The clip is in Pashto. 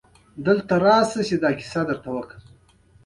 دلته راسه چي کیسه درته وکم.